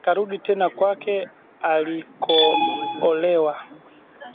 Akarudi tena kwake alikoolewa